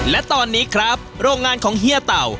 และตอนนี้ครับโรงงานของเฮียเต่า